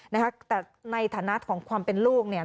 นะคะแต่ในฐานะของความเป็นลูกเนี่ย